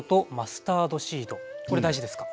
これ大事ですか？